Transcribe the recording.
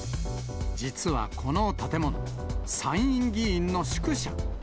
実はこの建物、参院議員の宿舎。